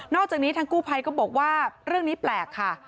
อกจากนี้ทางกู้ภัยก็บอกว่าเรื่องนี้แปลกค่ะ